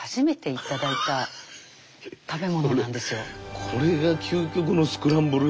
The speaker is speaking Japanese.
これが究極のスクランブルエッグだ。